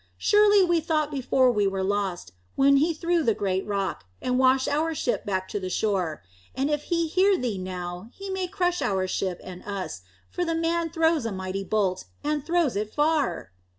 Surely we thought before we were lost, when he threw the great rock, and washed our ship back to the shore. And if he hear thee now, he may crush our ship and us, for the man throws a mighty bolt, and throws it far."